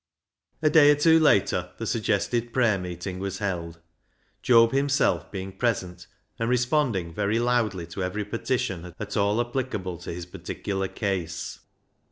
A day or two later the suggested prayer meeting was held, Job himself being present, and responding very loudly to every petition at all applicable to his particular case.